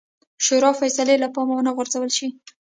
شورا فیصلې له پامه ونه غورځول شي.